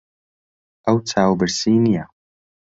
ئەو چاوبرسی نییە.